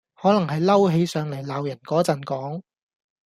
可能係嬲起上黎鬧人果陣講